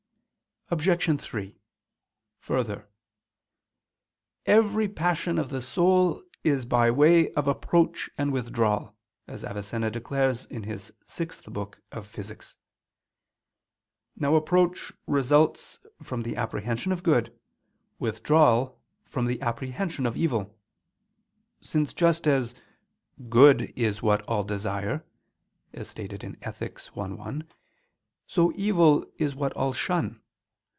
Obj. 3: Further, "every passion of the soul is by way of approach and withdrawal," as Avicenna declares in his sixth book of Physics. Now approach results from the apprehension of good; withdrawal, from the apprehension of evil: since just as "good is what all desire" (Ethic. i, 1), so evil is what all shun.